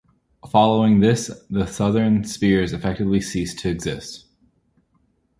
Following this, the Southern Spears effectively ceased to exist.